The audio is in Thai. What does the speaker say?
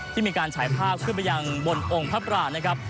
ที่มีการฉายภาพขึ้นไปยังบนองค์พระปรางนะครับ